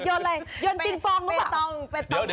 โยนปิงปองหรือเปล่า